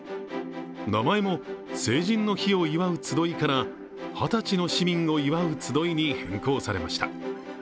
名前も、成人の日を祝うつどいから二十歳の市民を祝うつどいに変更されました。